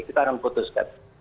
kita akan putuskan